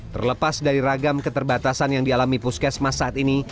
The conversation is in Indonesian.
terlepas dari ragam keterbatasan yang dialami puskesmas saat ini